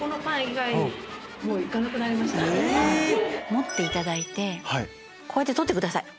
持っていただいてこうやって取ってください。